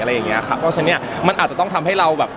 เว้ยฉะนี้มันอาจจะต้องทำให้เรา